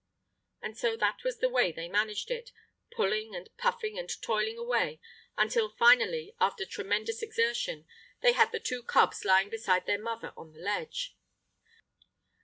And so that was the way they managed it, pulling and puffing and toiling away until, finally, after tremendous exertion, they had the two cubs lying beside their mother on the ledge.